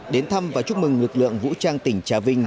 đến thăm và chúc mừng lực lượng vũ trang tỉnh trà vinh